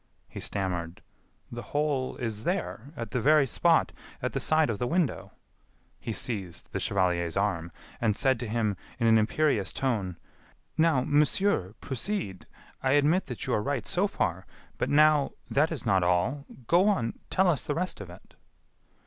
He stammered: "The hole is there, at the very spot, at the side of the window " He seized the chevalier's arm, and said to him in an imperious tone: "Now, monsieur, proceed. I admit that you are right so far, but now.... that is not all.... go on.... tell us the rest of it."